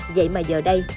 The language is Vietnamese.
vậy mà giờ đây